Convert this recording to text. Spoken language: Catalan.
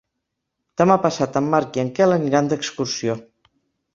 Demà passat en Marc i en Quel aniran d'excursió.